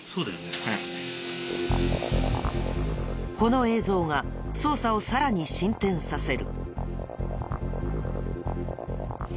この映像が捜査をさらに進展させる。